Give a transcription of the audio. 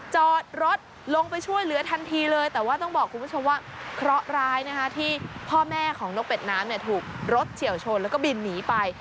จอดรถลงไปช่วยเหลือทันทีเลยแต่ว่าต้องบอกคุณผู้ชมว่าเคราะห์ร้ายนะคะที่พ่อแม่ของนกเป็ดน้ำเนี่ยถูกรถเฉียวชนแล้วก็บินหนีไป